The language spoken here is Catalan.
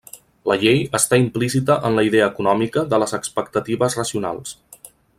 La llei està implícita en la idea econòmica de les expectatives racionals.